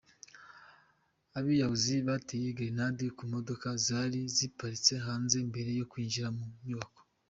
Abiyahuzi bateye gerenade ku modoka zari ziparitse hanze mbere yo kwinjira mu nyubako.